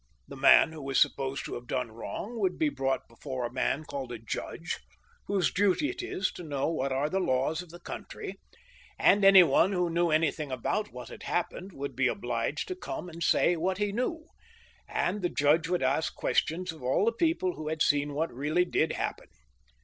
The man who was supposed to have done wrong would be brought before a man called a judge, whose duty it is to know what are the laws of the country, and any one who knew anything about what, had happened would be obliged to come and say what he knew, and the judge would ask questions of all the people who had seen what reaUy did happen.